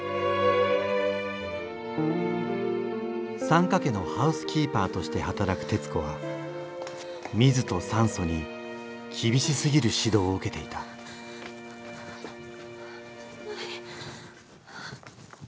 サンカ家のハウスキーパーとして働くテツコはミズとサンソにきびしすぎる指導を受けていたない。